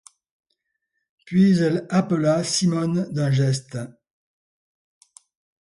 Puis, elle appela Simonne d'un geste.